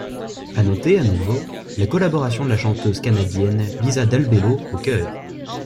À noter, à nouveau, la collaboration de la chanteuse canadienne Lisa Dalbello aux chœurs.